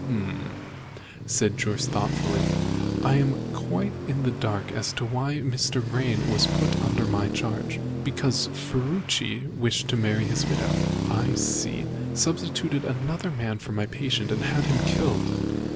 "H'm!" said Jorce thoughtfully, "I am quite in the dark as to why Mr. Vrain was put under my charge." "Because Ferruci wished to marry his widow." "I see! Ferruci substituted another man for my patient and had him killed."